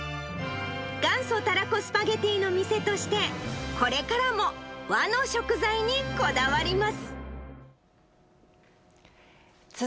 元祖たらこスパゲティの店として、これからも和の食材にこだわりま